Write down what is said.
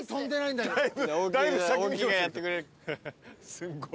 すごい。